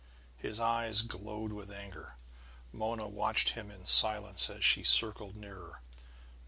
His eyes glowed with anger. Mona watched him in silence as she circled nearer.